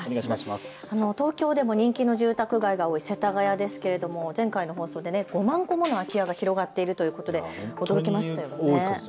東京でも人気の住宅街が多い世田谷ですけれど前回の放送で５万戸も空き家が広がっているということで驚きましたね。